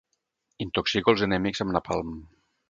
Intoxico els enemics amb napalm.